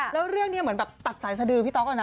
แล้วเรื่องนี้เหมือนแบบตัดสายสดือพี่ต๊อกอะนะ